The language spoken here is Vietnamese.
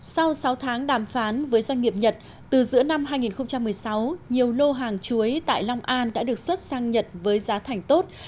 sau sáu tháng đàm phán với doanh nghiệp nhật từ giữa năm hai nghìn một mươi sáu nhiều lô hàng chuối tại long an đã được xuất sang nhật với giá thành tốt